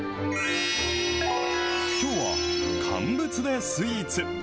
きょうは、乾物でスイーツ。